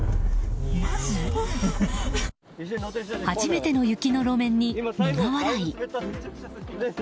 初めての雪の路面に苦笑い。